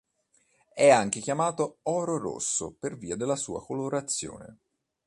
È anche chiamato "oro rosso" per via della sua colorazione.